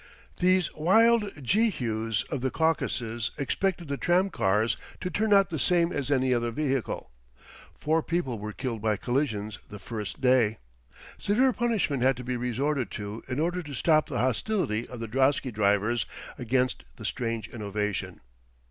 These wild Jehus of the Caucasus expected the tram cars to turn out the same as any other vehicle. Four people were killed by collisions the first day. Severe punishment had to be resorted to in order to stop the hostility of the drosky drivers against the strange innovation.